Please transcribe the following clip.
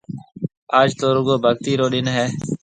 آج تو رُگو ڀگتِي رو ڏن هيَ۔